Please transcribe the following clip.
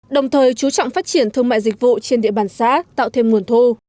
đồng thời chú trọng phát triển thương mại dịch vụ trên địa bàn xã tạo thêm nguồn thu